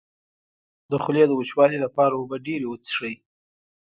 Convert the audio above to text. د خولې د وچوالي لپاره اوبه ډیرې وڅښئ